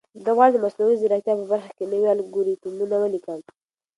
زه غواړم د مصنوعي ځیرکتیا په برخه کې نوي الګوریتمونه ولیکم.